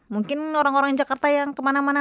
mungkin orang orang jakarta yang kemana mana